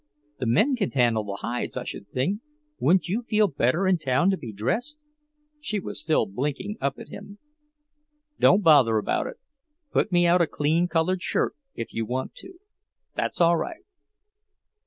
"The men can handle the hides, I should think. Wouldn't you feel better in town to be dressed?" She was still blinking up at him. "Don't bother about it. Put me out a clean coloured shirt, if you want to. That's all right."